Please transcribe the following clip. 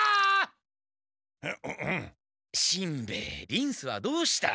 しんべヱリンスはどうした？